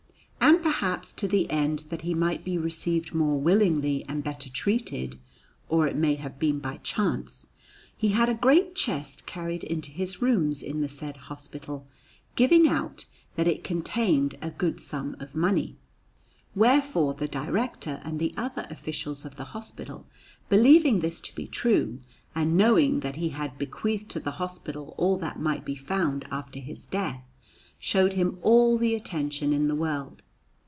And perhaps to the end that he might be received more willingly and better treated (or it may have been by chance), he had a great chest carried into his rooms in the said hospital, giving out that it contained a good sum of money. Wherefore the Director and the other officials of the hospital, believing this to be true, and knowing that he had bequeathed to the hospital all that might be found after his death, showed him all the attention in the world.